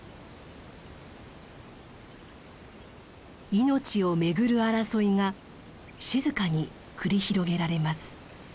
命を巡る争いが静かに繰り広げられます。